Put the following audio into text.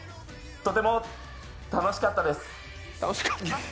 とても楽しかったです。